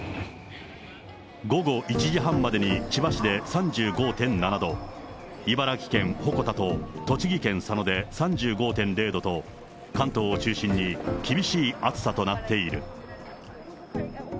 午後１時半までに千葉市で３５．７度、茨城県鉾田と栃木県佐野で３５．０度と、関東を中心に、厳しい暑さとなっている。